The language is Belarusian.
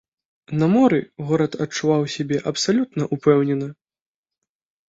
На моры горад адчуваў сябе абсалютна ўпэўнена.